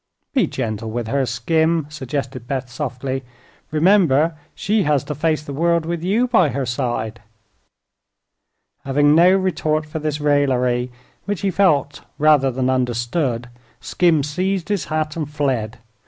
"Be gentle with her, Skim," suggested Beth, softly. "Remember she has to face the world with you by her side." Having no retort for this raillery, which he felt rather than understood, Skim seized his hat and fled.